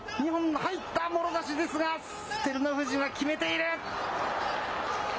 入った、もろ差しですが、照ノ富士は決めている。